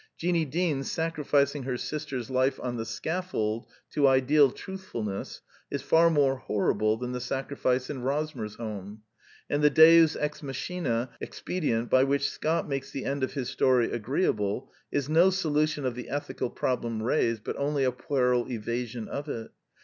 Jeanie Deans sacrificing her sister's life on the scaflold to ideal truthfulness is far more horrible than the sacri fice in Rosmersholm; and the deus ex machina expedient by which Scott makes the end of his story agreeable is no solution of the ethical prob lem raised, but only a puerile evasion of it.